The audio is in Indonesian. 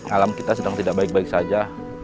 alam kita sedang tidak baik baik saja